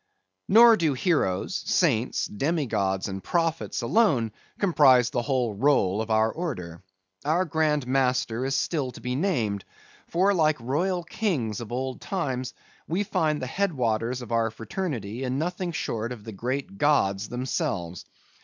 Nor do heroes, saints, demigods, and prophets alone comprise the whole roll of our order. Our grand master is still to be named; for like royal kings of old times, we find the head waters of our fraternity in nothing short of the great gods themselves.